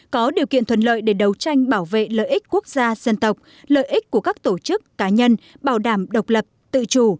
có điều kiện thuận lợi để đấu tranh bảo vệ lợi ích quốc gia dân tộc lợi ích của các tổ chức cá nhân bảo đảm độc lập tự chủ